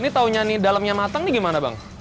ini tahunya nih dalamnya matang nih gimana bang